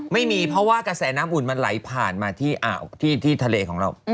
ไม่มีเพราะว่ากระแสน้ำอุ่นมันไหลผ่านมาที่อ่าวที่ทะเลของเรา